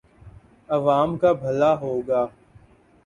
عوام کا بھلا ہو گا۔